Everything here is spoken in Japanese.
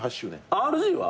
ＲＧは？